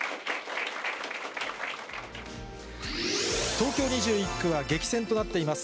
東京２１区は激戦となっています。